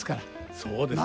そうですね。